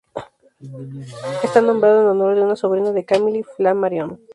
Está nombrado en honor de una sobrina de Camille Flammarion.